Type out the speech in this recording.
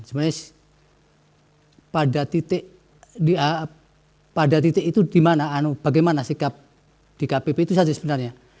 sebenarnya pada titik pada titik itu di mana bagaimana sikap dkpp itu saja sebenarnya